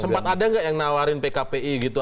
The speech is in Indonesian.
sempat ada nggak yang nawarin pkpi gitu